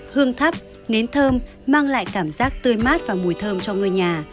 hương thắp nến thơm mang lại cảm giác tươi mát và mùi thơm cho ngôi nhà